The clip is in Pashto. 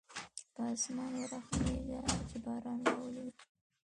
په اسمان ورحمېږه چې باران راولېږي.